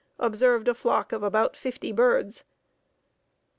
observed a flock of about fifty birds.